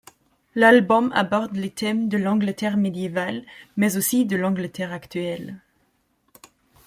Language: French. L’album aborde les thèmes de l’Angleterre médiévale mais aussi de l’Angleterre actuelle.